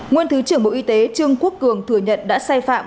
nguyên thứ trưởng bộ y tế trương quốc cường thừa nhận đã sai phạm